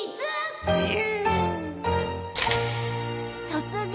［卒業］